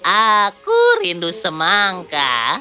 aku rindu semangka